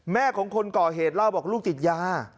แม่ของคนก่อเหตุเล่าบอกลูกติดยา